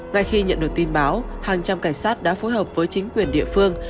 ngay khi nhận được tin báo hàng trăm cảnh sát đã phối hợp với chính quyền địa phương